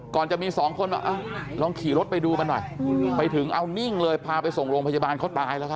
ก่อนจะมีสองคนว่าลองขี่รถไปดูมันหน่อยไปถึงเอานิ่งเลยพาไปส่งโรงพยาบาลเขาตายแล้วครับ